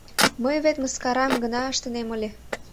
— Мый вет мыскарам гына ыштынем ыле.